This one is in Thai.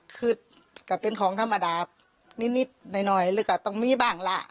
คือก็เป็นของธรรมดานิดหน่อยหรือก็ต้องมีบ้างล่ะ